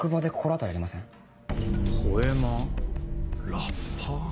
ラッパー？